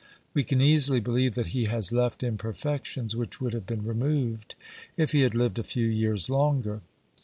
We can easily believe that he has left imperfections, which would have been removed if he had lived a few years longer.